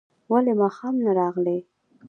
ولي ماښام نه راغلې؟